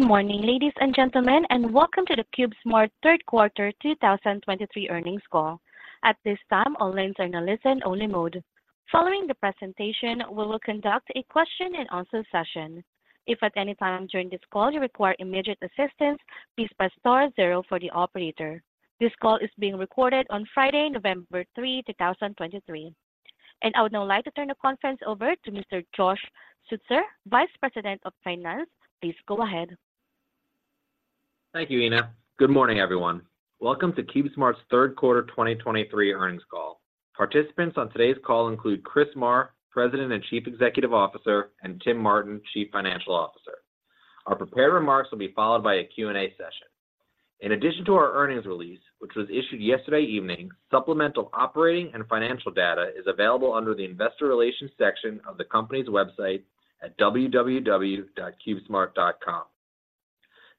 Good morning, ladies and gentlemen, and welcome to the CubeSmart Q3 2023 earnings call. At this time, all lines are in a listen-only mode. Following the presentation, we will conduct a question and answer session. If at any time during this call you require immediate assistance, please press star zero for the operator. This call is being recorded on Friday, November 3, 2023. I would now like to turn the conference over to Mr. Josh Schutzer, Vice President of Finance. Please go ahead. Thank you, Ina. Good morning, everyone. Welcome to CubeSmart's Q3 2023 earnings call. Participants on today's call include Chris Marr, President and Chief Executive Officer, and Tim Martin, Chief Financial Officer. Our prepared remarks will be followed by a Q&A session. In addition to our earnings release, which was issued yesterday evening, supplemental operating and financial data is available under the Investor Relations section of the company's website at www.cubesmart.com.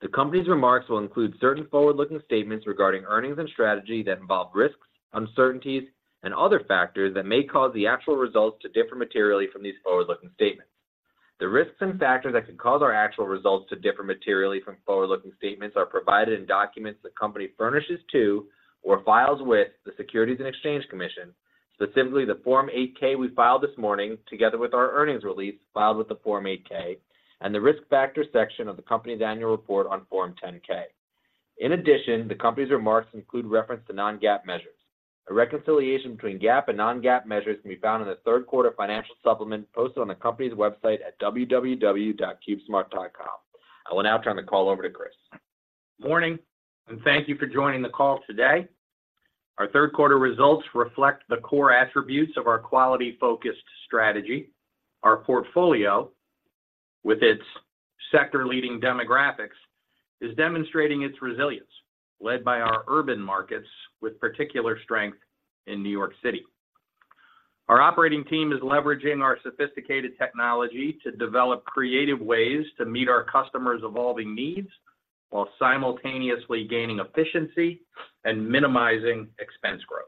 The company's remarks will include certain forward-looking statements regarding earnings and strategy that involve risks, uncertainties, and other factors that may cause the actual results to differ materially from these forward-looking statements. The risks and factors that could cause our actual results to differ materially from forward-looking statements are provided in documents the company furnishes to or files with the Securities and Exchange Commission. Specifically, the Form 8-K we filed this morning, together with our earnings release, filed with the Form 8-K, and the Risk Factors section of the company's annual report on Form 10-K. In addition, the company's remarks include reference to non-GAAP measures. A reconciliation between GAAP and non-GAAP measures can be found in the Q3 financial supplement posted on the company's website at www.cubesmart.com. I will now turn the call over to Chris. Morning, and thank you for joining the call today. Our Q3 results reflect the core attributes of our quality-focused strategy. Our portfolio, with its sector-leading demographics, is demonstrating its resilience, led by our urban markets with particular strength in New York City. Our operating team is leveraging our sophisticated technology to develop creative ways to meet our customers' evolving needs while simultaneously gaining efficiency and minimizing expense growth.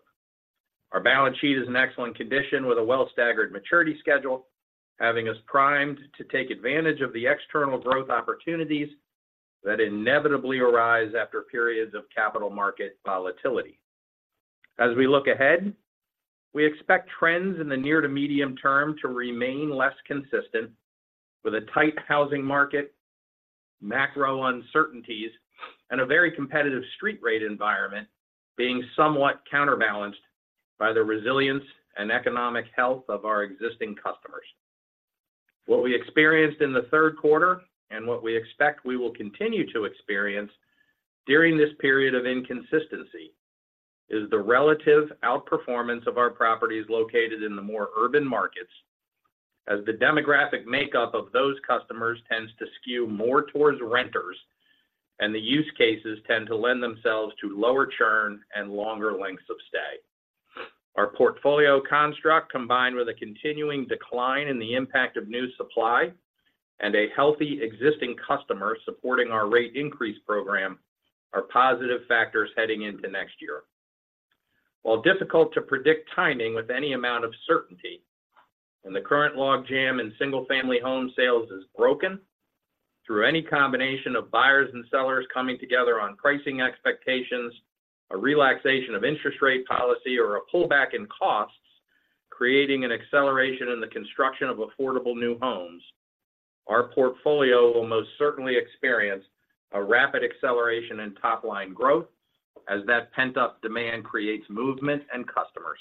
Our balance sheet is in excellent condition, with a well staggered maturity schedule, having us primed to take advantage of the external growth opportunities that inevitably arise after periods of capital market volatility. As we look ahead, we expect trends in the near to medium term to remain less consistent, with a tight housing market, macro uncertainties, and a very competitive street rate environment being somewhat counterbalanced by the resilience and economic health of our existing customers. What we experienced in the Q3 and what we expect we will continue to experience during this period of inconsistency, is the relative outperformance of our properties located in the more urban markets, as the demographic makeup of those customers tends to skew more towards renters, and the use cases tend to lend themselves to lower churn and longer lengths of stay. Our portfolio construct, combined with a continuing decline in the impact of new supply and a healthy existing customer supporting our rate increase program, are positive factors heading into next year While difficult to predict timing with any amount of certainty, when the current logjam in single-family home sales is broken, through any combination of buyers and sellers coming together on pricing expectations, a relaxation of interest rate policy, or a pullback in costs, creating an acceleration in the construction of affordable new homes, our portfolio will most certainly experience a rapid acceleration in top-line growth as that pent-up demand creates movement and customers.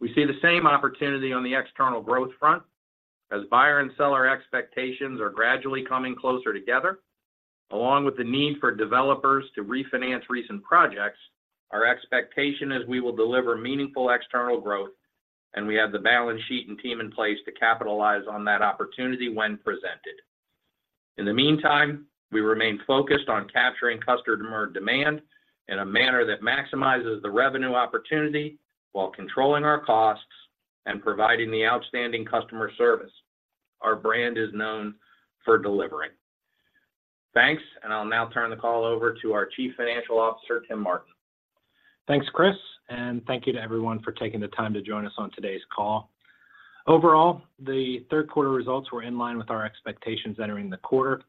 We see the same opportunity on the external growth front. As buyer and seller expectations are gradually coming closer together, along with the need for developers to refinance recent projects, our expectation is we will deliver meaningful external growth, and we have the balance sheet and team in place to capitalize on that opportunity when presented. In the meantime, we remain focused on capturing customer demand in a manner that maximizes the revenue opportunity while controlling our costs and providing the outstanding customer service our brand is known for delivering. Thanks, and I'll now turn the call over to our Chief Financial Officer, Tim Martin. Thanks, Chris, and thank you to everyone for taking the time to join us on today's call. Overall, the Q3 results were in line with our expectations entering the quarter.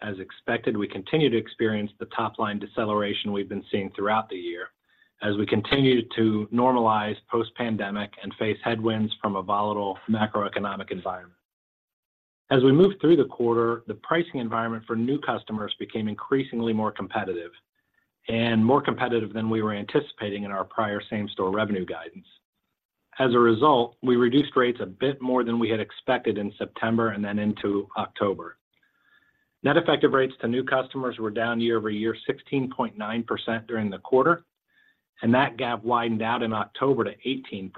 As expected, we continue to experience the top-line deceleration we've been seeing throughout the year as we continue to normalize post-pandemic and face headwinds from a volatile macroeconomic environment. As we moved through the quarter, the pricing environment for new customers became increasingly more competitive, and more competitive than we were anticipating in our prior same-store revenue guidance. As a result, we reduced rates a bit more than we had expected in September and then into October. Net effective rates to new customers were down year-over-year 16.9% during the quarter, and that gap widened out in October to 18%,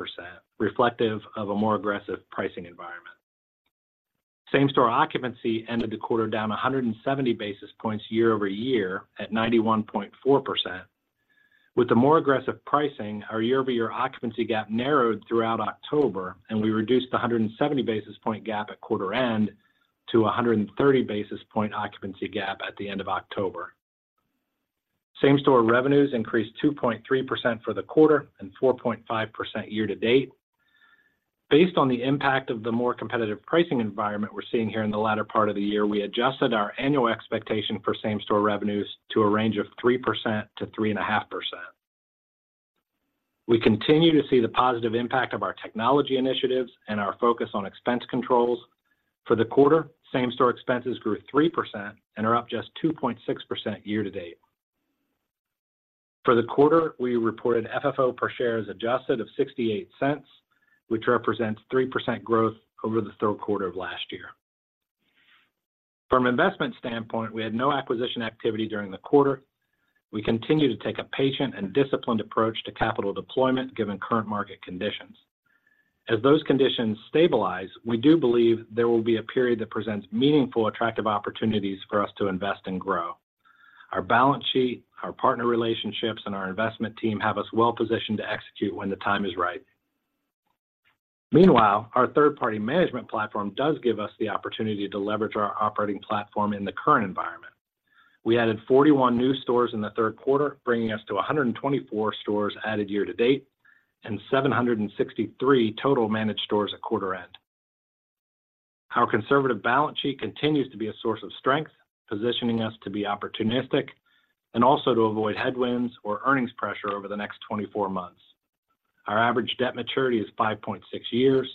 reflective of a more aggressive pricing environment. Same-store occupancy ended the quarter down 170 basis points year-over-year at 91.4%. With the more aggressive pricing, our year-over-year occupancy gap narrowed throughout October, and we reduced the 170 basis point gap at quarter end to 130 basis point occupancy gap at the end of October. Same-store revenues increased 2.3% for the quarter and 4.5% year to date. Based on the impact of the more competitive pricing environment we're seeing here in the latter part of the year, we adjusted our annual expectation for same-store revenues to a range of 3%-3.5%. We continue to see the positive impact of our technology initiatives and our focus on expense controls. For the quarter, same-store expenses grew 3% and are up just 2.6% year to date. For the quarter, we reported FFO per share adjusted of $0.68, which represents 3% growth over the Q3 of last year. From an investment standpoint, we had no acquisition activity during the quarter. We continue to take a patient and disciplined approach to capital deployment, given current market conditions. As those conditions stabilize, we do believe there will be a period that presents meaningful, attractive opportunities for us to invest and grow. Our balance sheet, our partner relationships, and our investment team have us well positioned to execute when the time is right. Meanwhile, our third-party management platform does give us the opportunity to leverage our operating platform in the current environment. We added 41 new stores in the Q3 bringing us to 124 stores added year to date, and 763 total managed stores at quarter end. Our conservative balance sheet continues to be a source of strength, positioning us to be opportunistic and also to avoid headwinds or earnings pressure over the next 24 months. Our average debt maturity is 5.6 years.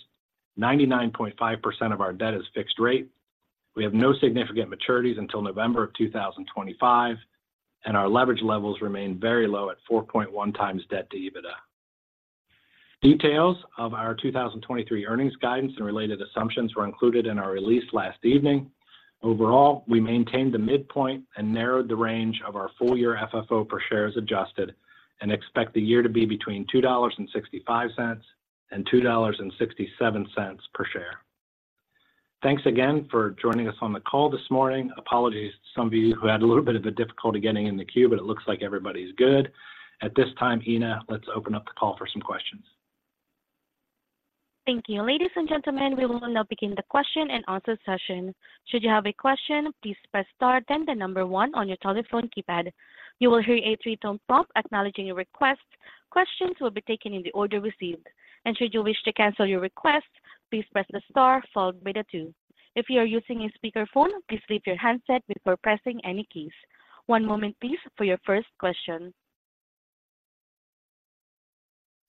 99.5% of our debt is fixed rate. We have no significant maturities until November of 2025, and our leverage levels remain very low at 4.1 times debt to EBITDA. Details of our 2023 earnings guidance and related assumptions were included in our release last evening. Overall, we maintained the midpoint and narrowed the range of our full-year FFO per share adjusted, and expect the year to be between $2.65 and $2.67 per share. Thanks again for joining us on the call this morning. Apologies to some of you who had a little bit of a difficulty getting in the queue, but it looks like everybody's good. At this time, Ina, let's open up the call for some questions. Thank you. Ladies and gentlemen, we will now begin the question and answer session. Should you have a question, please press star, then 1 on your telephone keypad. You will hear a 3-tone pop acknowledging your request. Questions will be taken in the order received, and should you wish to cancel your request, please press the star followed by 2. If you are using a speakerphone, please leave your handset before pressing any keys. One moment, please, for your first question.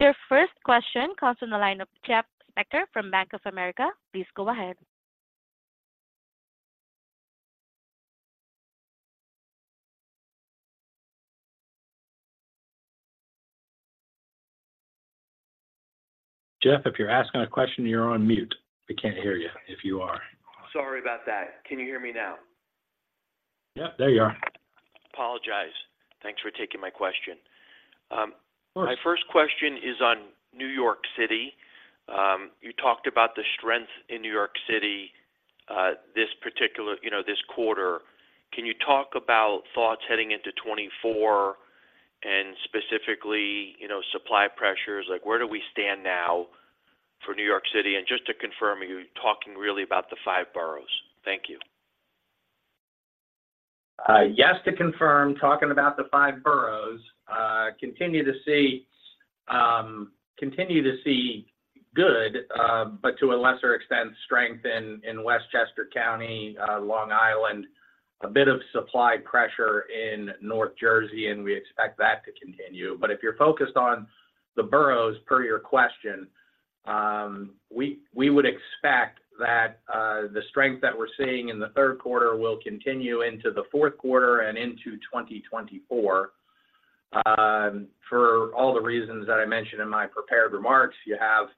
Your first question comes from the line of Jeff Spector from Bank of America. Please go ahead. Jeff, if you're asking a question, you're on mute. We can't hear you if you are. Sorry about that. Can you hear me now? Yeah, there you are. Apologies. Thanks for taking my question. Of course. My first question is on New York City. You talked about the strength in New York City, this particular, you know, this quarter. Can you talk about thoughts heading into 2024 and specifically, you know, supply pressures? Like, where do we stand now for New York City? And just to confirm, are you talking really about the five boroughs? Thank you. Yes, to confirm, talking about the five boroughs. Continue to see good, but to a lesser extent, strength in Westchester County, Long Island, a bit of supply pressure in North Jersey, and we expect that to continue. But if you're focused on the boroughs, per your question, we would expect that the strength that we're seeing in the Q3 will continue into the fourth quarter and into 2024, for all the reasons that I mentioned in my prepared remarks. You have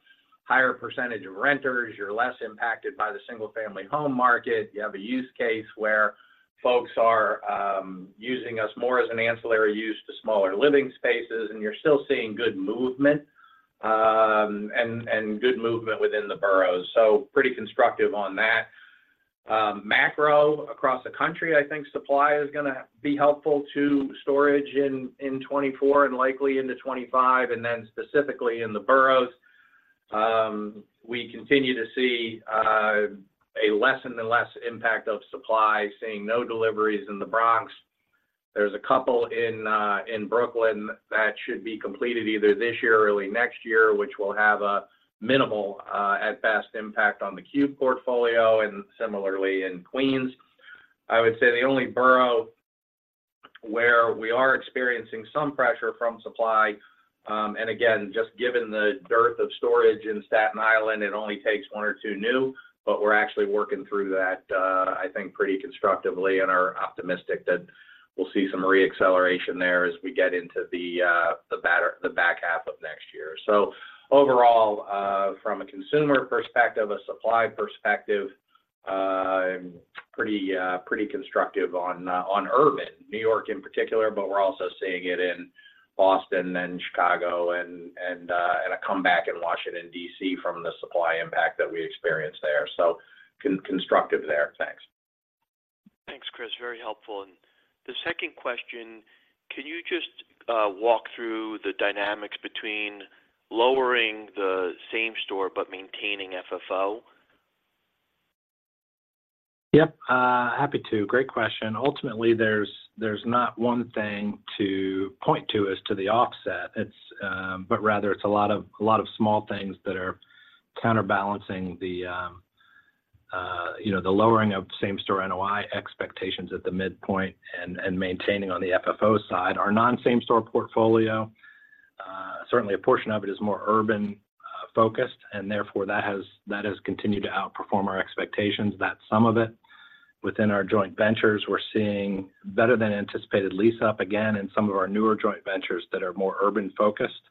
higher percentage of renters, you're less impacted by the single-family home market. You have a use case where folks are using us more as an ancillary use to smaller living spaces, and you're still seeing good movement, and good movement within the boroughs. So pretty constructive on that. Macro across the country, I think supply is gonna be helpful to storage in 2024 and likely into 2025, and then specifically in the boroughs. We continue to see a less and less impact of supply, seeing no deliveries in the Bronx. There's a couple in Brooklyn that should be completed either this year or early next year, which will have a minimal, at best, impact on the CubeSmart portfolio and similarly in Queens. I would say the only borough where we are experiencing some pressure from supply, and again, just given the dearth of storage in Staten Island, it only takes one or two new, but we're actually working through that, I think pretty constructively and are optimistic that we'll see some re-acceleration there as we get into the back half of next year. So overall, from a consumer perspective, a supply perspective, pretty constructive on urban New York in particular, but we're also seeing it in Boston and Chicago and a comeback in Washington, D.C., from the supply impact that we experienced there. So constructive there. Thanks. Thanks, Chris. Very helpful. The second question, can you just walk through the dynamics between lowering the same-store but maintaining FFO? Yep, happy to. Great question. Ultimately, there's not one thing to point to as to the offset. It's but rather it's a lot of small things that are counterbalancing the you know, the lowering of same-store NOI expectations at the midpoint and maintaining on the FFO side. Our non-same-store portfolio certainly a portion of it is more urban focused, and therefore, that has continued to outperform our expectations. That's some of it. Within our joint ventures, we're seeing better than anticipated lease-up again in some of our newer joint ventures that are more urban focused.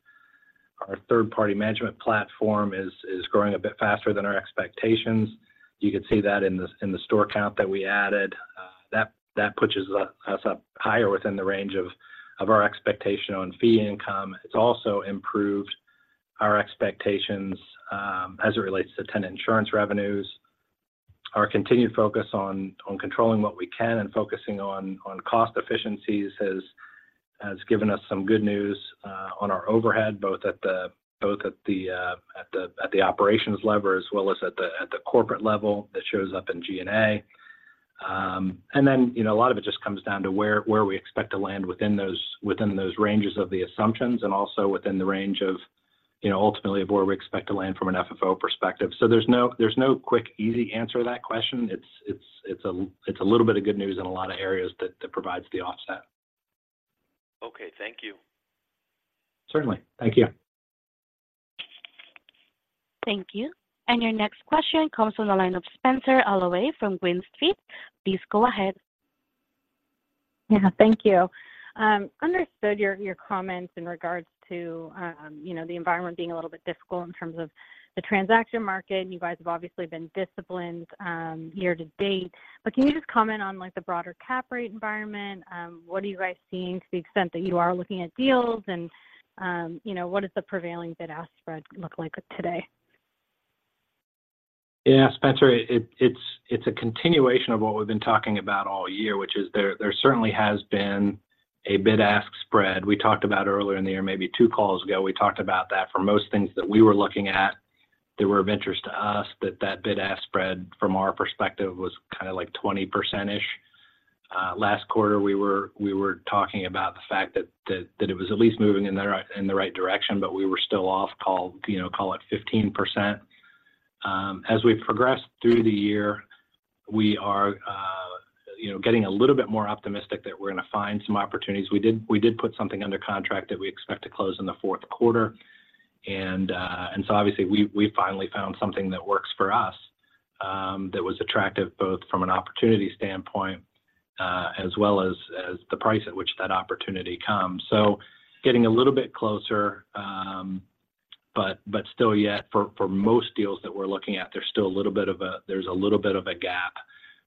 Our third-party management platform is growing a bit faster than our expectations. You could see that in the store count that we added. That pushes us up higher within the range of our expectation on fee income. It's also improved our expectations, as it relates to tenant insurance revenues. Our continued focus on controlling what we can and focusing on cost efficiencies has given us some good news on our overhead, both at the operations level, as well as at the corporate level. That shows up in G&A. And then, you know, a lot of it just comes down to where we expect to land within those ranges of the assumptions, and also within the range of, you know, ultimately of where we expect to land from an FFO perspective. So there's no quick, easy answer to that question. It's a little bit of good news in a lot of areas that provides the offset. Okay. Thank you. Certainly. Thank you. Thank you. Your next question comes from the line of Spenser Allaway from Green Street. Please go ahead. Yeah, thank you. Understood your, your comments in regards to, you know, the environment being a little bit difficult in terms of the transaction market, and you guys have obviously been disciplined, year to date. But can you just comment on, like, the broader cap rate environment? What are you guys seeing to the extent that you are looking at deals? And, you know, what does the prevailing bid-ask spread look like today? Yeah, Spencer, it's a continuation of what we've been talking about all year, which is there certainly has been a bid-ask spread. We talked about earlier in the year, maybe two calls ago, we talked about that. For most things that we were looking at that were of interest to us, that bid-ask spread, from our perspective, was kind of like 20%-ish. Last quarter, we were talking about the fact that it was at least moving in the right direction, but we were still off, call it 15%. As we've progressed through the year, we are, you know, getting a little bit more optimistic that we're gonna find some opportunities. We did put something under contract that we expect to close in the fourth quarter. And so obviously, we finally found something that works for us, that was attractive, both from an opportunity standpoint, as well as the price at which that opportunity comes. So getting a little bit closer, but still yet for most deals that we're looking at, there's still a little bit of a gap.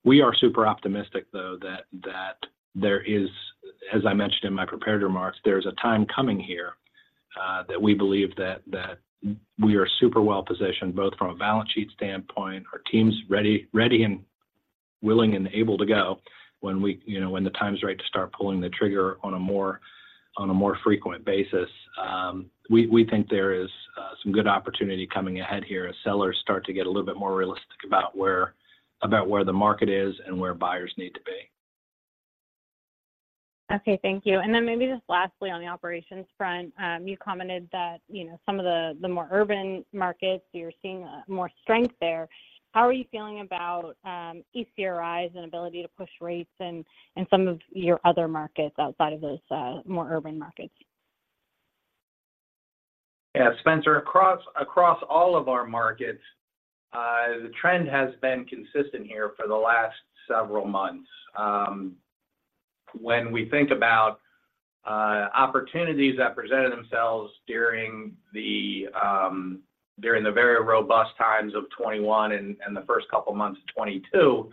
We are super optimistic, though, that there is. As I mentioned in my prepared remarks, there's a time coming here that we believe that we are super well-positioned, both from a balance sheet standpoint, our team's ready and willing, and able to go when we, you know, when the time's right to start pulling the trigger on a more frequent basis. We think there is some good opportunity coming ahead here as sellers start to get a little bit more realistic about where the market is and where buyers need to be. Okay. Thank you. And then maybe just lastly, on the operations front, you commented that, you know, some of the more urban markets, you're seeing more strength there. How are you feeling about ECRI's inability to push rates in some of your other markets outside of those more urban markets? Yeah, Spencer, across all of our markets, the trend has been consistent here for the last several months. When we think about opportunities that presented themselves during the very robust times of 2021 and the first couple of months of 2022,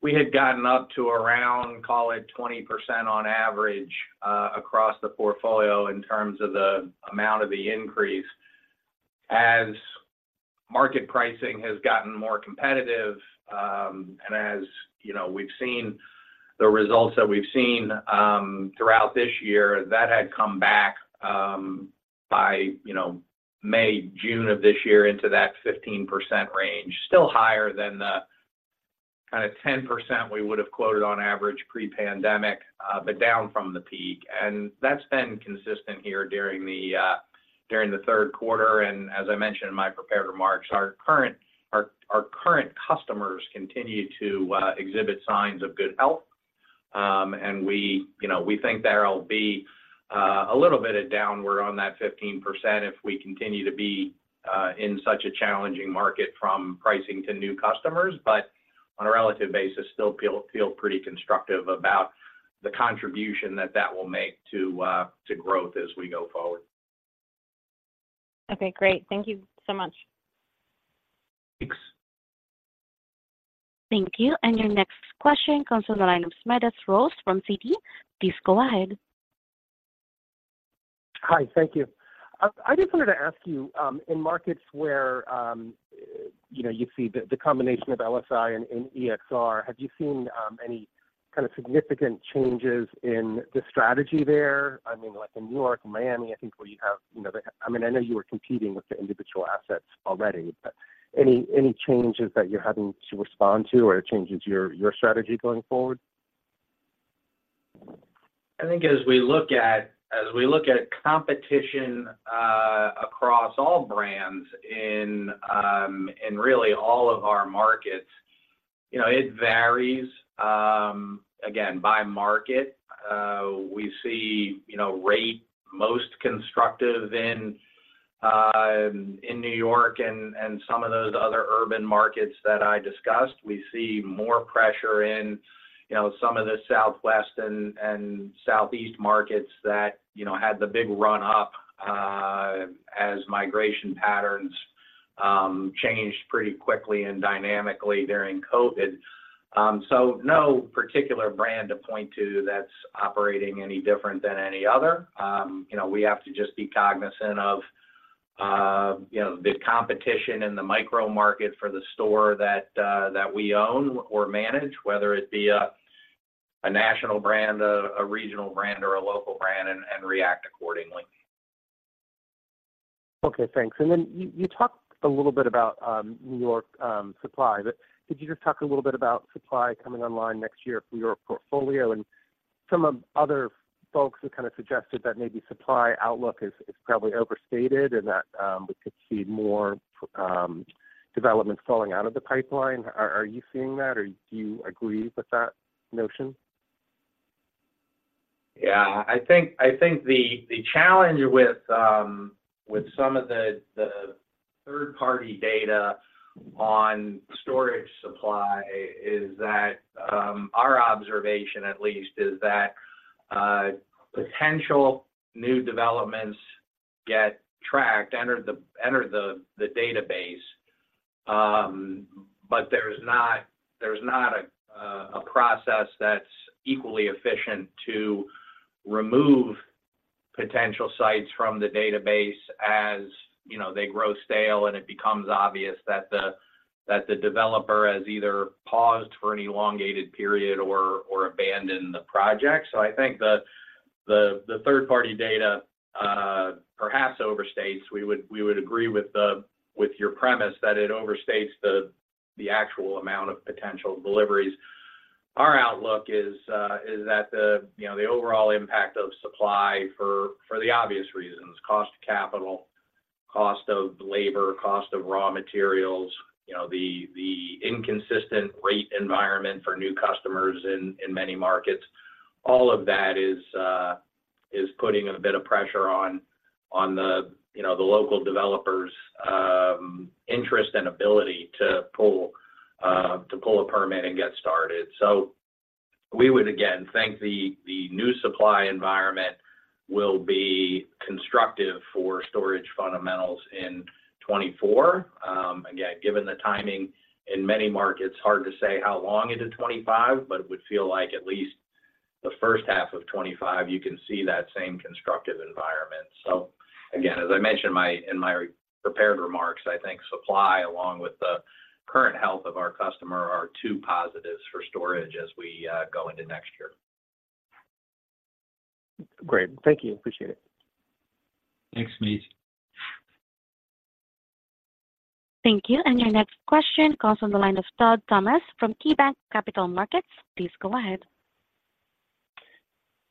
we had gotten up to around, call it, 20% on average across the portfolio in terms of the amount of the increase. As market pricing has gotten more competitive, and as you know, we've seen the results that we've seen throughout this year, that had come back by, you know, May, June of this year into that 15% range. Still higher than the kind of 10% we would have quoted on average pre-pandemic, but down from the peak. And that's been consistent here during the Q3, and as I mentioned in my prepared remarks, our current customers continue to exhibit signs of good health. And we, you know, we think there'll be a little bit of downward on that 15% if we continue to be in such a challenging market from pricing to new customers. But on a relative basis, still feel pretty constructive about the contribution that will make to growth as we go forward. Okay, great. Thank you so much. Thanks. Thank you, and your next question comes from the line of Smedes Rose from Citi. Please go ahead. Hi, thank you. I just wanted to ask you, in markets where, you know, you see the combination of LSI and EXR, have you seen any kind of significant changes in the strategy there? I mean, like in New York and Miami, I think where you have, you know, the—I mean, I know you were competing with the individual assets already, but any changes that you're having to respond to, or it changes your strategy going forward? I think as we look at competition across all brands in really all of our markets, you know, it varies again by market. We see, you know, rate most constructive in New York and some of those other urban markets that I discussed. We see more pressure in, you know, some of the Southwest and Southeast markets that, you know, had the big run-up as migration patterns changed pretty quickly and dynamically during COVID. So no particular brand to point to that's operating any different than any other. You know, we have to just be cognizant of you know, the competition in the micro market for the store that we own or manage, whether it be a national brand, a regional brand, or a local brand, and react accordingly. Okay, thanks. Then you talked a little bit about New York supply, but could you just talk a little bit about supply coming online next year for your portfolio? Some other folks have kind of suggested that maybe supply outlook is probably overstated, and that we could see more development falling out of the pipeline. Are you seeing that, or do you agree with that notion? Yeah, I think the challenge with some of the third-party data on storage supply is that, our observation, at least, is that potential new developments get tracked, enter the database. But there's not a process that's equally efficient to remove potential sites from the database as, you know, they grow stale, and it becomes obvious that the developer has either paused for an elongated period or abandoned the project. So I think the third-party data perhaps overstates. We would agree with your premise that it overstates the actual amount of potential deliveries. Our outlook is that the, you know, the overall impact of supply for the obvious reasons, cost of capital, cost of labor, cost of raw materials, you know, the inconsistent rate environment for new customers in many markets, all of that is putting a bit of pressure on the, you know, the local developers' interest and ability to pull a permit and get started. So we would, again, think the new supply environment will be constructive for storage fundamentals in 2024. Again, given the timing in many markets, hard to say how long into 2025, but it would feel like at least the first half of 2025, you can see that same constructive environment. So again, as I mentioned in my prepared remarks, I think supply, along with the current health of our customer, are two positives for storage as we go into next year. Great. Thank you. Appreciate it. Thanks, Smedes. Thank you. Your next question comes on the line of Todd Thomas from KeyBanc Capital Markets. Please go ahead.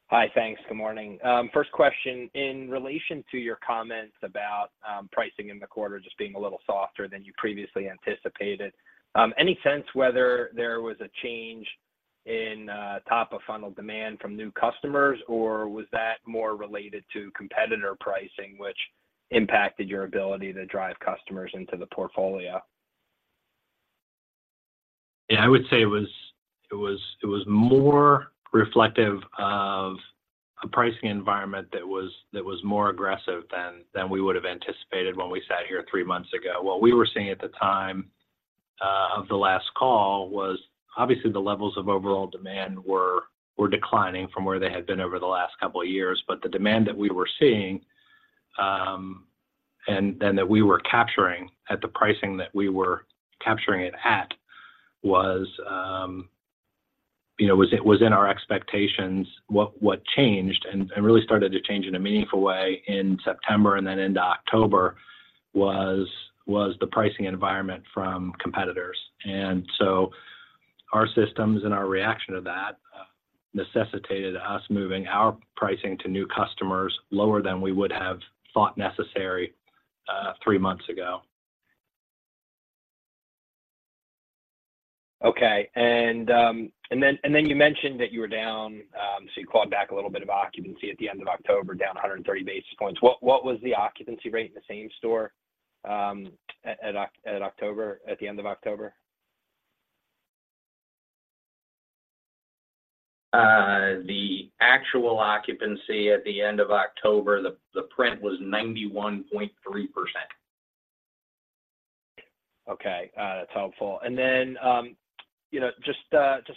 Hi, thanks. Good morning. First question, in relation to your comments about pricing in the quarter just being a little softer than you previously anticipated, any sense whether there was a change in top-of-funnel demand from new customers, or was that more related to competitor pricing, which impacted your ability to drive customers into the portfolio? Yeah, I would say it was more reflective of a pricing environment that was more aggressive than we would have anticipated when we sat here three months ago. What we were seeing at the time of the last call was obviously the levels of overall demand were declining from where they had been over the last couple of years. But the demand that we were seeing and that we were capturing at the pricing that we were capturing it at was, you know, in our expectations. What changed and really started to change in a meaningful way in September and then into October was the pricing environment from competitors. And so our systems and our reaction to that, necessitated us moving our pricing to new customers lower than we would have thought necessary, three months ago. Okay. And then you mentioned that you were down, so you clawed back a little bit of occupancy at the end of October, down 130 basis points. What was the occupancy rate in the same store at the end of October? The actual occupancy at the end of October, the print was 91.3%. Okay, that's helpful. And then, you know, just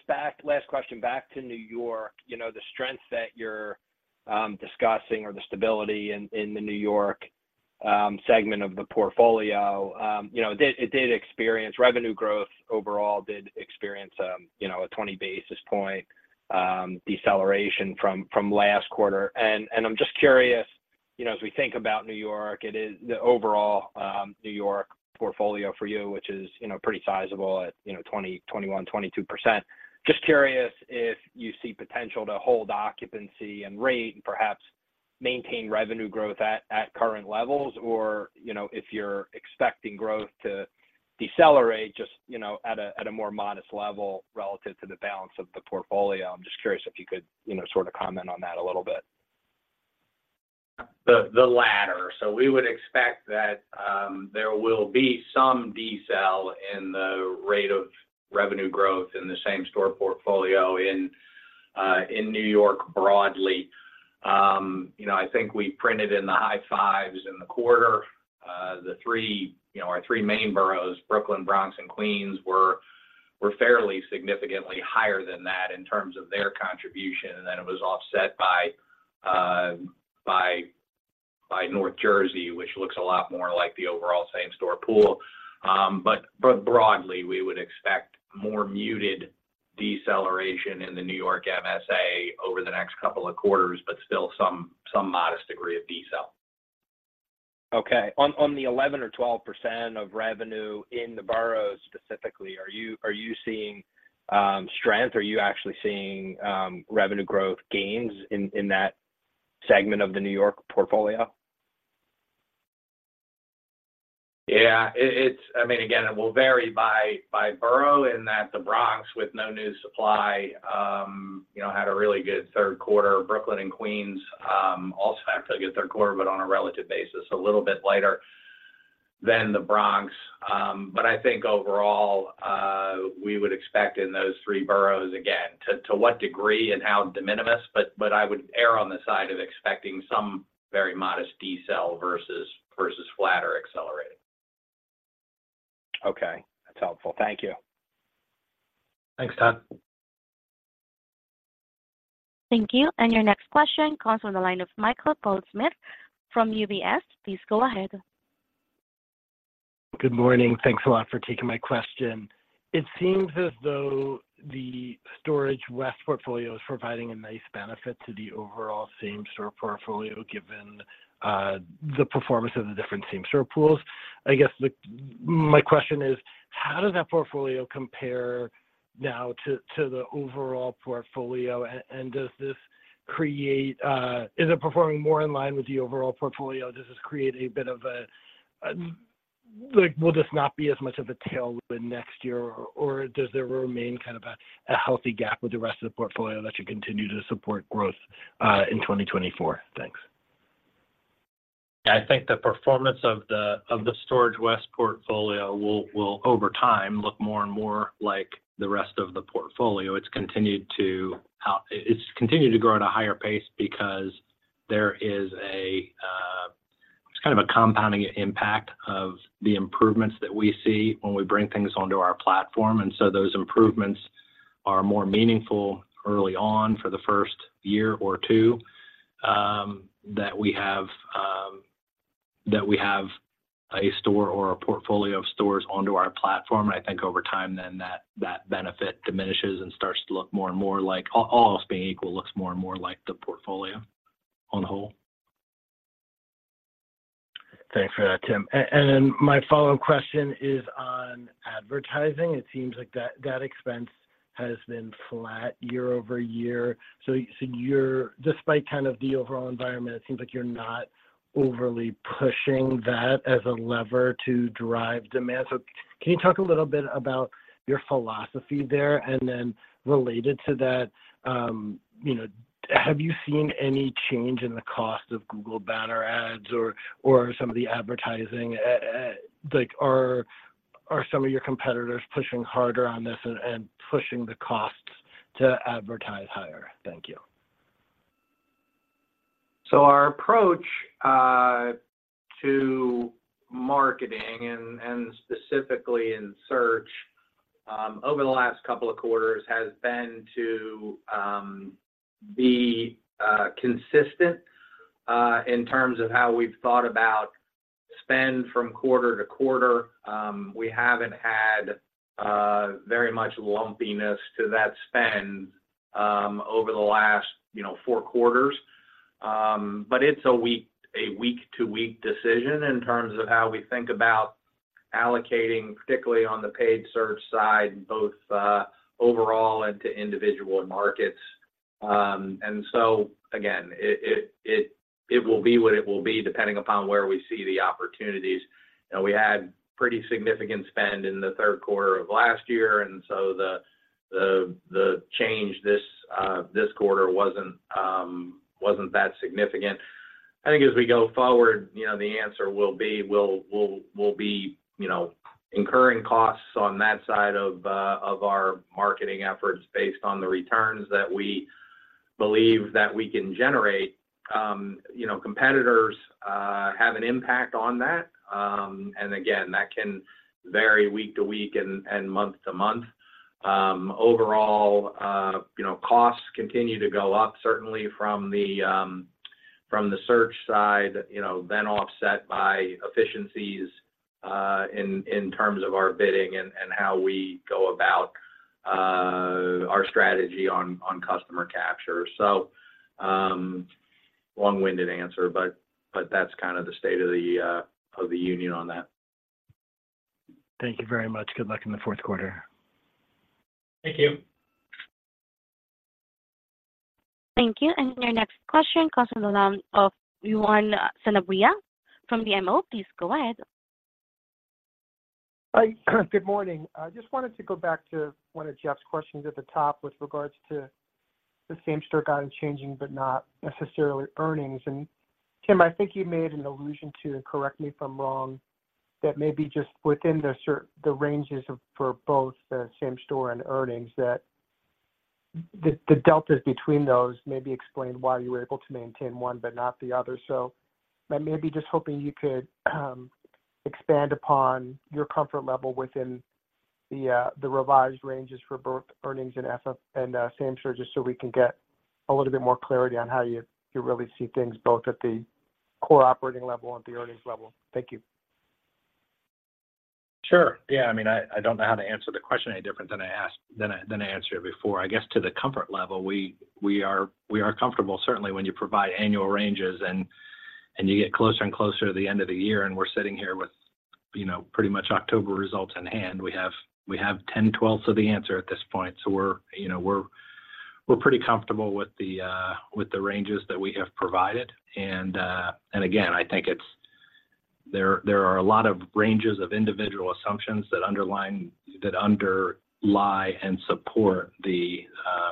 back. Last question, back to New York. You know, the strength that you're discussing or the stability in the New York segment of the portfolio, you know, it did, it did experience revenue growth overall, did experience, you know, a 20 basis point deceleration from last quarter. And I'm just curious, you know, as we think about New York, it is the overall New York portfolio for you, which is, you know, pretty sizable at 20%-22%. Just curious if you see potential to hold occupancy and rate and perhaps maintain revenue growth at current levels, or, you know, if you're expecting growth to decelerate just, you know, at a more modest level relative to the balance of the portfolio. I'm just curious if you could, you know, sort of comment on that a little bit. The latter. So we would expect that there will be some decel in the rate of revenue growth in the same-store portfolio in New York broadly. You know, I think we printed in the high fives in the quarter. You know, our three main boroughs, Brooklyn, Bronx, and Queens, were fairly significantly higher than that in terms of their contribution, and then it was offset by North Jersey, which looks a lot more like the overall same-store pool. But broadly, we would expect more muted deceleration in the New York MSA over the next couple of quarters, but still some modest degree of decel. Okay. On the 11% or 12% of revenue in the boroughs specifically, are you seeing strength? Are you actually seeing revenue growth gains in that segment of the New York portfolio? Yeah. I mean, again, it will vary by borough in that the Bronx, with no new supply, you know, had a really good Q3. Brooklyn and Queens also had a good Q3, but on a relative basis, a little bit lighter than the Bronx. But I think overall, we would expect in those three boroughs, again, to what degree and how de minimis, but I would err on the side of expecting some very modest decel versus flat or accelerating. Okay. That's helpful. Thank you. Thanks, Todd. Thank you. And your next question comes from the line of Michael Goldsmith from UBS. Please go ahead. Good morning. Thanks a lot for taking my question. It seems as though the Storage West portfolio is providing a nice benefit to the overall same-store portfolio, given the performance of the different same-store pools. I guess my question is: How does that portfolio compare now to the overall portfolio? And does this create... Is it performing more in line with the overall portfolio? Does this create a bit of a, like, will this not be as much of a tailwind next year, or does there remain kind of a healthy gap with the rest of the portfolio that should continue to support growth in 2024? Thanks. I think the performance of the Storage West portfolio will, over time, look more and more like the rest of the portfolio. It's continued to grow at a higher pace because there is a just kind of a compounding impact of the improvements that we see when we bring things onto our platform. And so those improvements are more meaningful early on for the first year or two that we have that we have a store or a portfolio of stores onto our platform. And I think over time then that benefit diminishes and starts to look more and more like, all else being equal, looks more and more like the portfolio on the whole. Thanks for that, Tim. And then my follow-up question is on advertising. It seems like that expense has been flat year-over-year. So you're—despite kind of the overall environment, it seems like you're not overly pushing that as a lever to drive demand. So can you talk a little bit about your philosophy there? And then related to that, you know, have you seen any change in the cost of Google banner ads or some of the advertising? Like, are some of your competitors pushing harder on this and pushing the costs to advertise higher? Thank you. So our approach to marketing and specifically in search over the last couple of quarters has been to be consistent in terms of how we've thought about spend from quarter to quarter. We haven't had very much lumpiness to that spend over the last, you know, four quarters. But it's a week-to-week decision in terms of how we think about allocating, particularly on the paid search side, both overall and to individual markets. And so again, it will be what it will be, depending upon where we see the opportunities. You know, we had pretty significant spend in the third quarter of last year, and so the change this quarter wasn't that significant. I think as we go forward, you know, the answer will be, we'll be, you know, incurring costs on that side of our marketing efforts based on the returns that we believe that we can generate. You know, competitors have an impact on that. And again, that can vary week to week and month to month. Overall, you know, costs continue to go up, certainly from the search side, you know, then offset by efficiencies in terms of our bidding and how we go about our strategy on customer capture. So, long-winded answer, but that's kind of the state of the union on that. Thank you very much. Good luck in the fourth quarter. Thank you. Thank you. And your next question comes from the line of Juan Sanabria from BMO. Please go ahead. Hi, good morning. I just wanted to go back to one of Jeff's questions at the top with regards to the same-store guidance changing, but not necessarily earnings. Tim, I think you made an allusion to, and correct me if I'm wrong, that maybe just within the certain ranges of, for both the same-store and earnings, that the deltas between those maybe explain why you were able to maintain one but not the other. So I may be just hoping you could expand upon your comfort level within the revised ranges for both earnings and FFO and same-store, just so we can get a little bit more clarity on how you really see things, both at the core operating level and at the earnings level. Thank you. Sure. Yeah. I mean, I don't know how to answer the question any different than I answered before. I guess to the comfort level, we are comfortable. Certainly, when you provide annual ranges and you get closer and closer to the end of the year, and we're sitting here with, you know, pretty much October results in hand, we have 10/12 of the answer at this point. So we're, you know, we're pretty comfortable with the ranges that we have provided. And again, I think it's... There are a lot of ranges of individual assumptions that underlie and support the,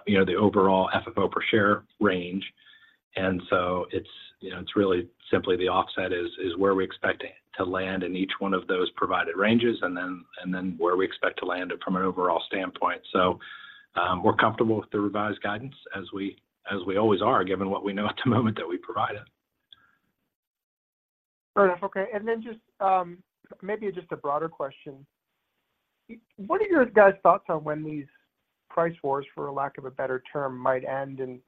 you know, the overall FFO per share range. And so it's, you know, it's really simply the offset is where we expect to land in each one of those provided ranges, and then where we expect to land it from an overall standpoint. So, we're comfortable with the revised guidance as we, as we always are, given what we know at the moment that we provide it. Fair enough. Okay. And then just maybe just a broader question. What are your guys' thoughts on when these price wars, for lack of a better term, might end, and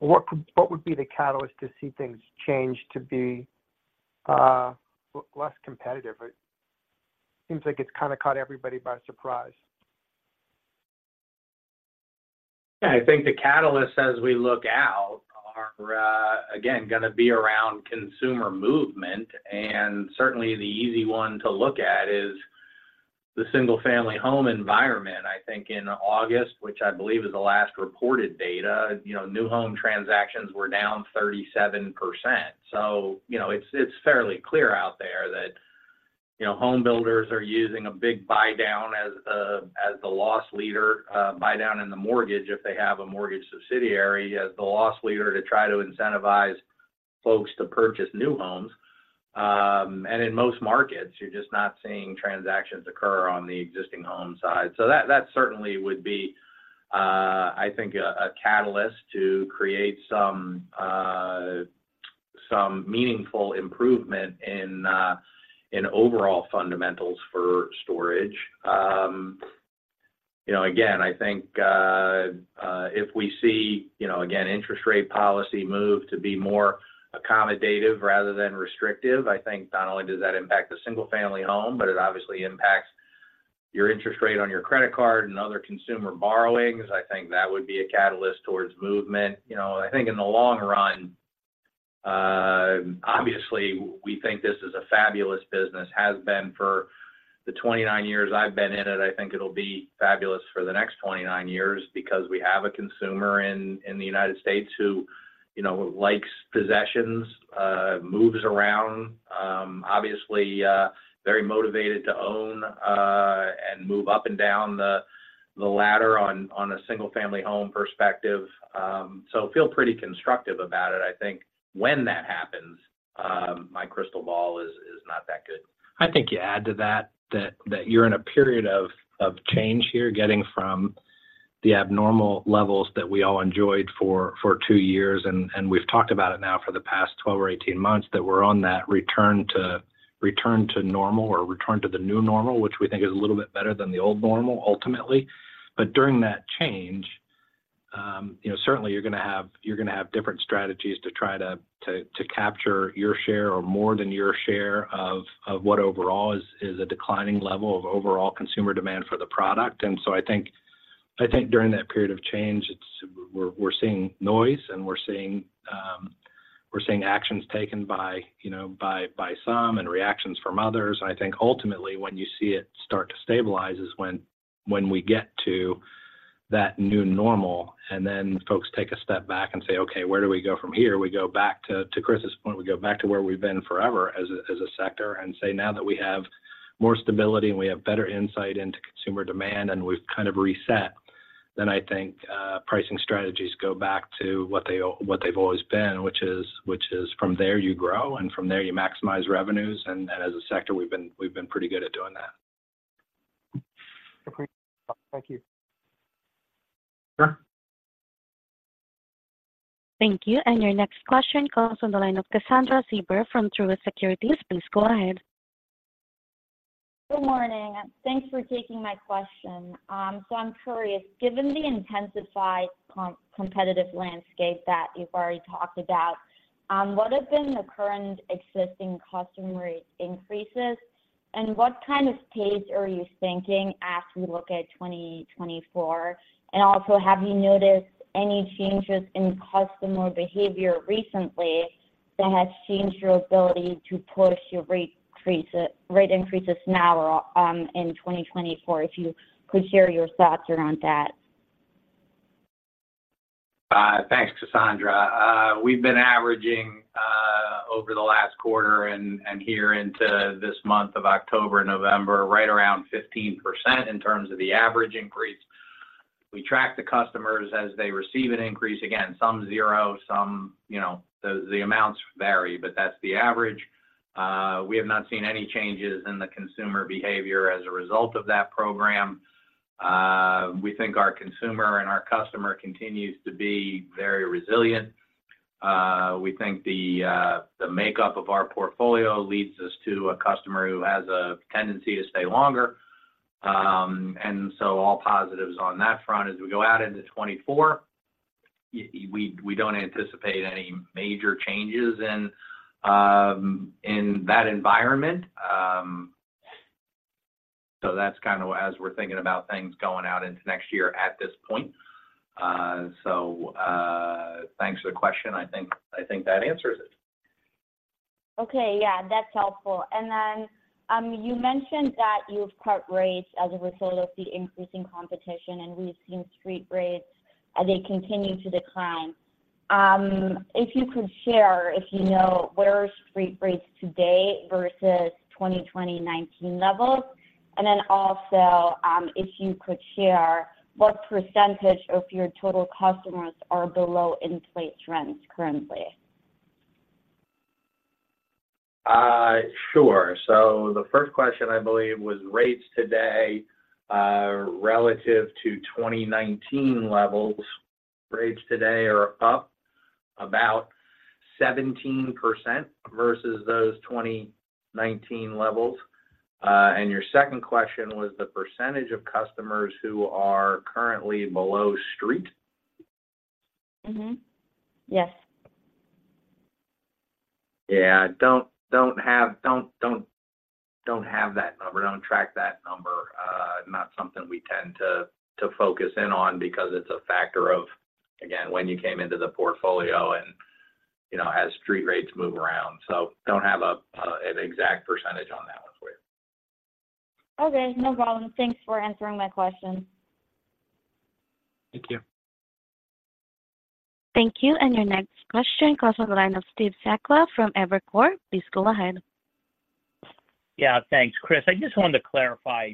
what would be the catalyst to see things change to be less competitive? It seems like it's kind of caught everybody by surprise. Yeah, I think the catalyst as we look out are, again, gonna be around consumer movement, and certainly the easy one to look at is the single-family home environment. I think in August, which I believe is the last reported data, you know, new home transactions were down 37%. So, you know, it's, it's fairly clear out there that, you know, home builders are using a big buy-down as, as the loss leader, buy down in the mortgage if they have a mortgage subsidiary, as the loss leader to try to incentivize folks to purchase new homes. And in most markets, you're just not seeing transactions occur on the existing home side. So that, that certainly would be, I think, a, a catalyst to create some, some meaningful improvement in, in overall fundamentals for storage. You know, again, I think, if we see, you know, again, interest rate policy move to be more accommodative rather than restrictive, I think not only does that impact the single-family home, but it obviously impacts your interest rate on your credit card and other consumer borrowings. I think that would be a catalyst towards movement. You know, I think in the long run, obviously, we think this is a fabulous business, has been for the 29 years I've been in it. I think it'll be fabulous for the next 29 years, because we have a consumer in the United States who, you know, likes possessions, moves around, obviously, very motivated to own, and move up and down the ladder on a single-family home perspective. So feel pretty constructive about it. I think when that happens, my crystal ball is not that good. I think you add to that that you're in a period of change here, getting from the abnormal levels that we all enjoyed for 2 years, and we've talked about it now for the past 12 or 18 months, that we're on that return to normal or return to the new normal, which we think is a little bit better than the old normal, ultimately. But during that change, you know, certainly you're gonna have different strategies to try to capture your share or more than your share of what overall is a declining level of overall consumer demand for the product. And so I think during that period of change, it's we're seeing noise, and we're seeing actions taken by, you know, by some and reactions from others. I think ultimately, when you see it start to stabilize is when we get to that new normal, and then folks take a step back and say, "Okay, where do we go from here?" We go back to Chris's point, we go back to where we've been forever as a sector and say, now that we have more stability and we have better insight into consumer demand and we've kind of reset, then I think pricing strategies go back to what they've always been, which is from there you grow, and from there you maximize revenues. And as a sector, we've been pretty good at doing that. Thank you. Sure. Thank you. And your next question comes on the line of Kassandra Fieber from Truist Securities. Please go ahead. Good morning, and thanks for taking my question. So I'm curious, given the intensified competitive landscape that you've already talked about, what have been the current existing customer rate increases, and what kind of pace are you thinking as we look at 2024? And also, have you noticed any changes in customer behavior recently that has changed your ability to push your rate increases now or in 2024? If you could share your thoughts around that. Thanks, Kassandra. We've been averaging over the last quarter and here into this month of October, November, right around 15% in terms of the average increase. We track the customers as they receive an increase. Again, some zero, some, you know, the amounts vary, but that's the average. We have not seen any changes in the consumer behavior as a result of that program. We think our consumer and our customer continues to be very resilient. We think the makeup of our portfolio leads us to a customer who has a tendency to stay longer. And so all positives on that front as we go out into 2024, we don't anticipate any major changes in that environment. So that's kind of as we're thinking about things going out into next year at this point. Thanks for the question. I think, I think that answers it. Okay. Yeah, that's helpful. And then, you mentioned that you've cut rates as a result of the increasing competition, and we've seen street rates as they continue to decline. If you could share, if you know, where are street rates today versus 2020, 2019 levels? And then also, if you could share what percentage of your total customers are below inflation trends currently? Sure. So the first question, I believe, was rates today, relative to 2019 levels. Rates today are up about 17% versus those 2019 levels. And your second question was the percentage of customers who are currently below street? Mm-hmm. Yes. Yeah. Don't have that number. Don't track that number. Not something we tend to focus in on because it's a factor of, again, when you came into the portfolio and, you know, as street rates move around. So don't have an exact percentage on that one for you. Okay, no problem. Thanks for answering my question. Thank you. Thank you. And your next question comes on the line of Steve Sakwa from Evercore. Please go ahead. Yeah, thanks, Chris. I just wanted to clarify,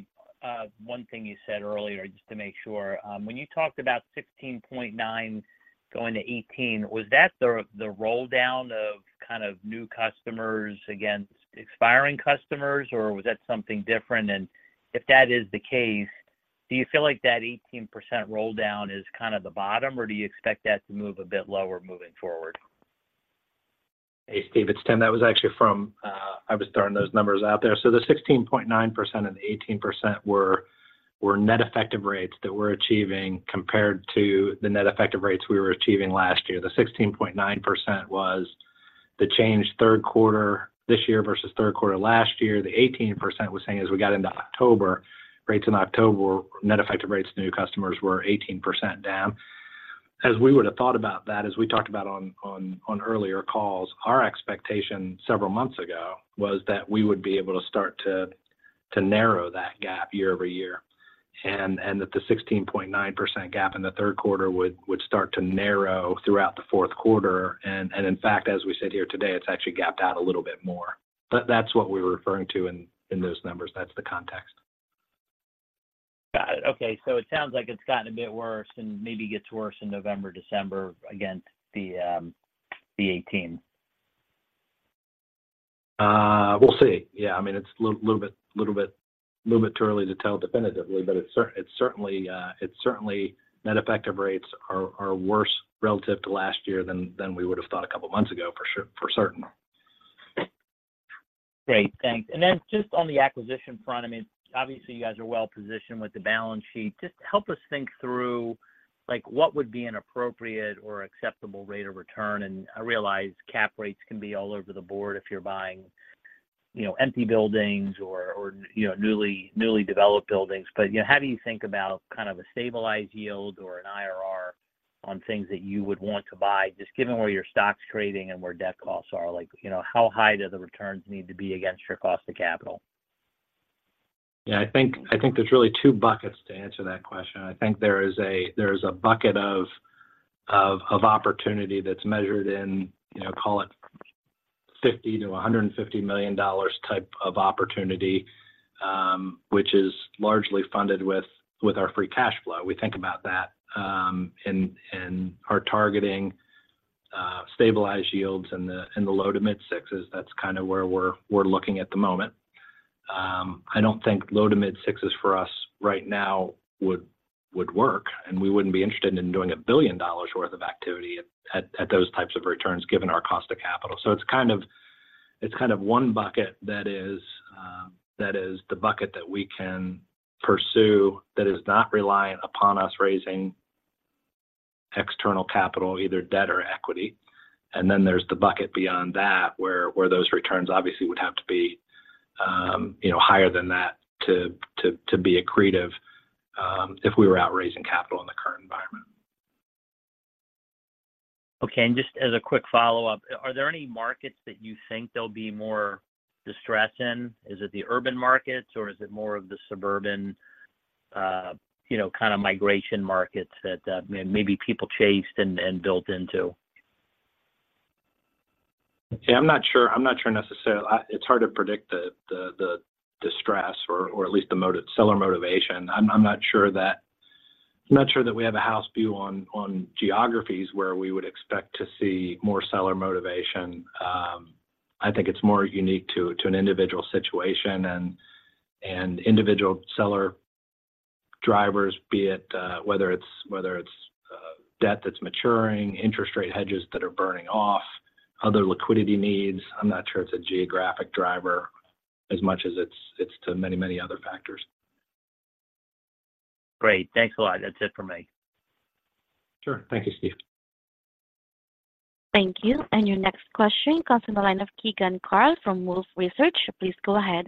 one thing you said earlier, just to make sure. When you talked about 16.9 going to 18, was that the rolldown of kind of new customers against expiring customers, or was that something different? And if that is the case, do you feel like that 18% rolldown is kind of the bottom, or do you expect that to move a bit lower moving forward? Hey, Steve, it's Tim. That was actually from I was throwing those numbers out there. So the 16.9% and 18% were net effective rates that we're achieving compared to the net effective rates we were achieving last year. The 16.9% was the change Q3 this year versus Q3 last year. The 18% was saying, as we got into October, rates in October were net effective rates, new customers were 18% down. As we would have thought about that, as we talked about on earlier calls, our expectation several months ago was that we would be able to start to narrow that gap year-over-year, and that the 16.9% gap in the Q3 would start to narrow throughout the fourth quarter. In fact, as we sit here today, it's actually gapped out a little bit more. That's what we were referring to in those numbers. That's the context. Got it. Okay. So it sounds like it's gotten a bit worse and maybe gets worse in November, December against the, the 18. We'll see. Yeah. I mean, it's a little bit too early to tell definitively, but it's certainly net effective rates are worse relative to last year than we would have thought a couple of months ago, for sure, for certain. Great. Thanks. And then just on the acquisition front, I mean, obviously, you guys are well positioned with the balance sheet. Just help us think through, like, what would be an appropriate or acceptable rate of return, and I realize cap rates can be all over the board if you're buying, you know, empty buildings or, you know, newly developed buildings. But, you know, how do you think about kind of a stabilized yield or an IRR on things that you would want to buy, just given where your stock's trading and where debt costs are? Like, you know, how high do the returns need to be against your cost of capital? Yeah, I think there's really two buckets to answer that question. I think there is a bucket of opportunity that's measured in, you know, call it $50 million-$150 million type of opportunity, which is largely funded with our free cash flow. We think about that in our targeting stabilized yields in the low- to mid-6s. That's kind of where we're looking at the moment. I don't think low- to mid-6s for us right now would- would work, and we wouldn't be interested in doing $1 billion worth of activity at those types of returns, given our cost of capital. So it's kind of one bucket that is the bucket that we can pursue that is not reliant upon us raising external capital, either debt or equity. And then there's the bucket beyond that, where those returns obviously would have to be, you know, higher than that to be accretive, if we were out raising capital in the current environment. Okay, and just as a quick follow-up, are there any markets that you think there'll be more distress in? Is it the urban markets, or is it more of the suburban, you know, kind of migration markets that, maybe, maybe people chased and, and built into? Yeah, I'm not sure. I'm not sure necessarily. It's hard to predict the distress or at least the seller motivation. I'm not sure that we have a house view on geographies where we would expect to see more seller motivation. I think it's more unique to an individual situation and individual seller drivers, be it whether it's debt that's maturing, interest rate hedges that are burning off, other liquidity needs. I'm not sure it's a geographic driver as much as it's due to many other factors. Great. Thanks a lot. That's it for me. Sure. Thank you, Steve. Thank you. And your next question comes from the line of Keegan Carl from Wolfe Research. Please go ahead.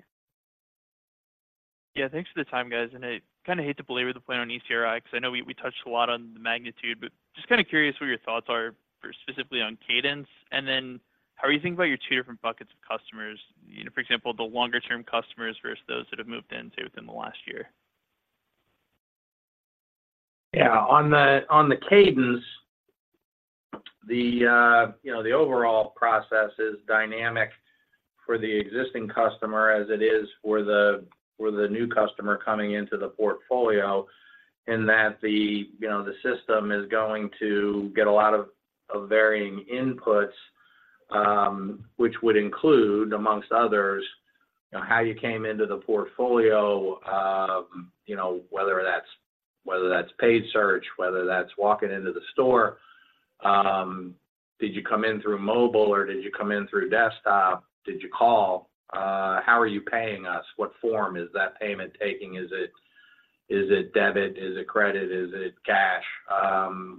Yeah, thanks for the time, guys. And I kind of hate to belabor the point on ECRI, because I know we, we touched a lot on the magnitude, but just kind of curious what your thoughts are for specifically on cadence, and then how are you thinking about your two different buckets of customers? You know, for example, the longer-term customers versus those that have moved in say, within the last year. Yeah. On the cadence, you know, the overall process is dynamic for the existing customer, as it is for the new customer coming into the portfolio, in that the, you know, the system is going to get a lot of varying inputs, which would include, amongst others, you know, how you came into the portfolio, you know, whether that's paid search, whether that's walking into the store. Did you come in through mobile, or did you come in through desktop? Did you call? How are you paying us? What form is that payment taking? Is it debit? Is it credit? Is it cash?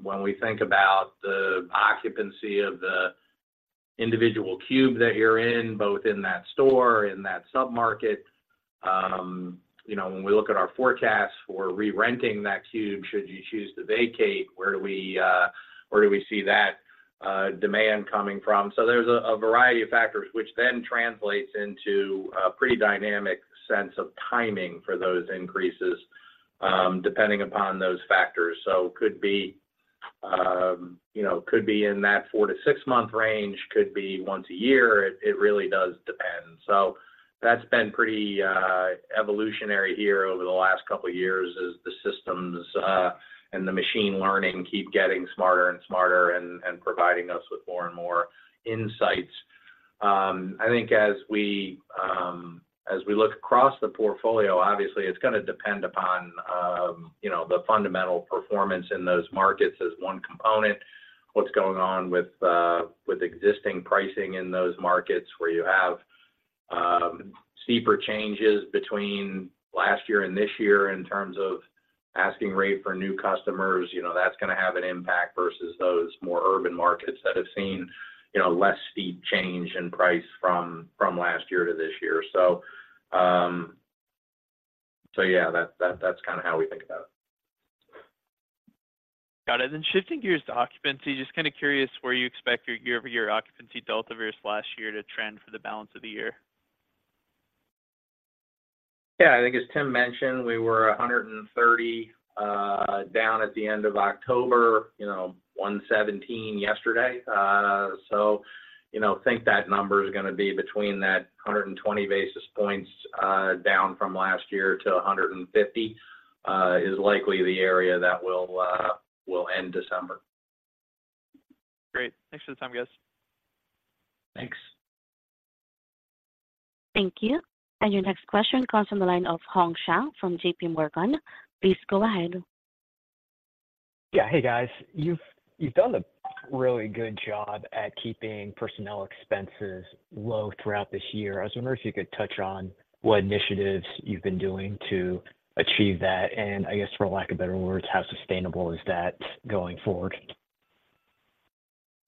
When we think about the occupancy of the individual cube that you're in, both in that store, in that submarket, you know, when we look at our forecasts for re-renting that cube, should you choose to vacate, where do we, where do we see that, demand coming from? So there's a, a variety of factors, which then translates into a pretty dynamic sense of timing for those increases, depending upon those factors. So could be, you know, could be in that 4-6-month range, could be once a year. It, it really does depend. So that's been pretty, evolutionary here over the last couple of years as the systems, and the machine learning keep getting smarter and smarter and, and providing us with more and more insights. I think as we, as we look across the portfolio, obviously, it's going to depend upon, you know, the fundamental performance in those markets as one component. What's going on with, with existing pricing in those markets, where you have, steeper changes between last year and this year in terms of asking rate for new customers. You know, that's going to have an impact versus those more urban markets that have seen, you know, less steep change in price from, from last year to this year. That, that's kind of how we think about it. Got it. Then shifting gears to occupancy, just kind of curious where you expect your year-over-year occupancy delta versus last year to trend for the balance of the year? Yeah, I think as Tim mentioned, we were 130 down at the end of October, you know, 117 yesterday. So you know, think that number is going to be between that 120 basis points down from last year to 150 is likely the area that we'll, we'll end December. Great. Thanks for the time, guys. Thanks. Thank you. Your next question comes from the line of Hong Zhang from J.P. Morgan. Please go ahead. Yeah. Hey, guys. You've done a really good job at keeping personnel expenses low throughout this year. I was wondering if you could touch on what initiatives you've been doing to achieve that, and I guess, for lack of better words, how sustainable is that going forward?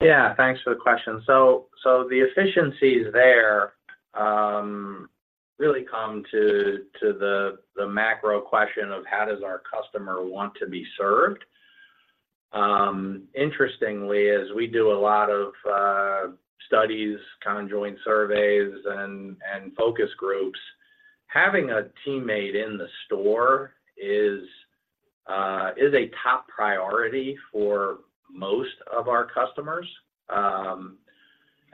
Yeah, thanks for the question. So the efficiencies there really come to the macro question of: How does our customer want to be served? Interestingly, as we do a lot of studies, conjoint surveys and focus groups, having a teammate in the store is a top priority for most of our customers.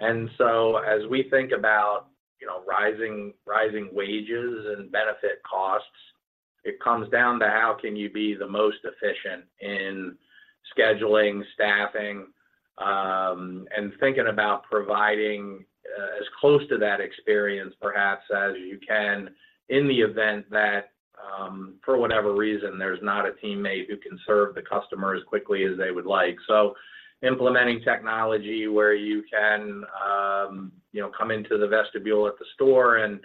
And so as we think about, you know, rising wages and benefit costs, it comes down to: How can you be the most efficient in scheduling, staffing, and thinking about providing as close to that experience perhaps as you can, in the event that for whatever reason, there's not a teammate who can serve the customer as quickly as they would like. So implementing technology where you can, you know, come into the vestibule at the store and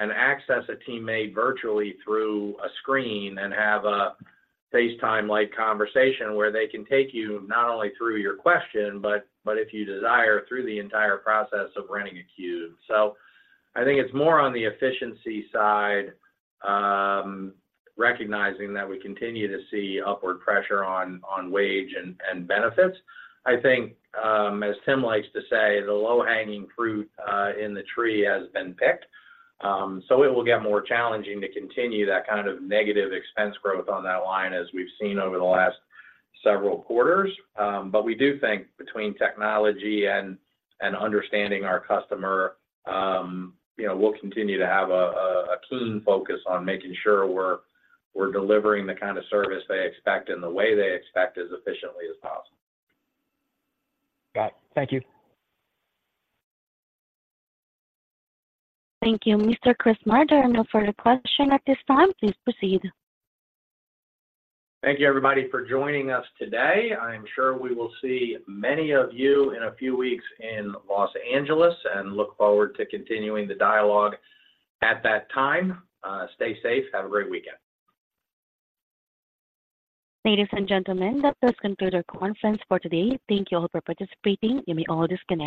access a teammate virtually through a screen and have a FaceTime-like conversation, where they can take you not only through your question, but if you desire, through the entire process of renting a cube. So I think it's more on the efficiency side, recognizing that we continue to see upward pressure on wage and benefits. I think, as Tim likes to say, "The low-hanging fruit in the tree has been picked." So it will get more challenging to continue that kind of negative expense growth on that line, as we've seen over the last several quarters. But we do think between technology and understanding our customer, you know, we'll continue to have a keen focus on making sure we're delivering the kind of service they expect and the way they expect as efficiently as possible. Got it. Thank you. Thank you. Mr. Chris Marr, no further questions at this time. Please proceed. Thank you everybody for joining us today. I am sure we will see many of you in a few weeks in Los Angeles, and look forward to continuing the dialogue at that time. Stay safe. Have a great weekend. Ladies and gentlemen, that does conclude our conference for today. Thank you all for participating. You may all disconnect.